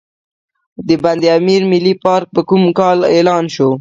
د بند امیر ملي پارک په کوم کال اعلان شو؟